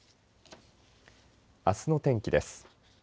あすの天気です。